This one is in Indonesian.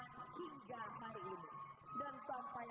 pada hari yang paling berbahagia ini